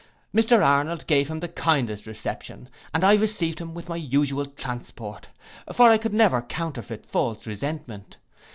Mr Arnold gave him the kindest reception, and I received him with my usual transport; for I could never counterfeit false resentment.